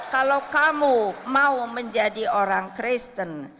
kalau kamu mau menjadi orang kristen